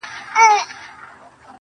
هغه چي ماته يې په سرو وینو غزل ليکله,